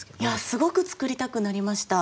すごく作りたくなりました。